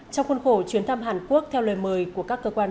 trong khuôn khổ chuyến thăm hàn quốc theo lời mời của các cơ quan